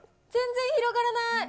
全然広がらない。